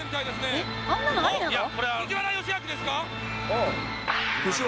「えっ」